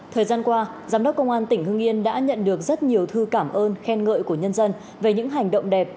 thời gian qua giám đốc công an tỉnh hương yên đã nhận được rất nhiều thư cảm ơn khen ngợi của nhân dân về những hành động đẹp